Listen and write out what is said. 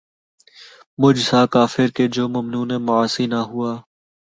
مجھ سا کافر کہ جو ممنون معاصی نہ ہوا